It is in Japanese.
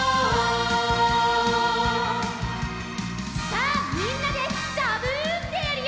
さあみんなでザブンってやるよ！